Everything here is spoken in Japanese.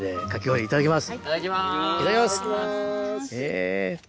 いただきます！